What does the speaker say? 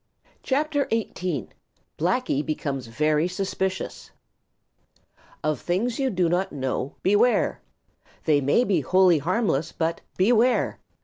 CHAPTER XVIII: Blacky Becomes Very Suspicious Of things you do not understand, Beware! They may be wholly harmless but Beware!